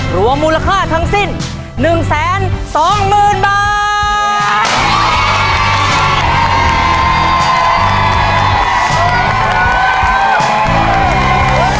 หลวงมูลค่าทั้งสิ้นหนึ่งแสนสองหมื่นบาท